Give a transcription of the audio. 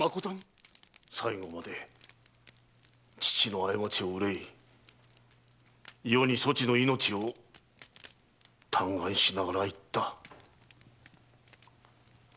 最期まで父の過ちを憂い余にそちの命を嘆願しながら逝った。